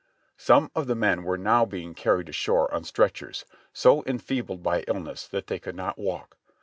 Some of the men were now being carried ashore on stretchers, so enfeebled by illness that they could not walk.